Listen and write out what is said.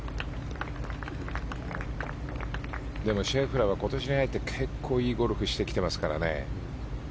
シェフラーは今年に入って結構いいゴルフしてきてますよ。